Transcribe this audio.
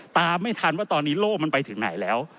ตามไม่ทันว่าตอนนี้โลกมันไปถึงไหนแล้ว